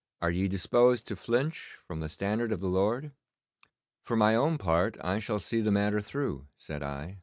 Are ye disposed to flinch from the standard of the Lord?' 'For my own part I shall see the matter through,' said I.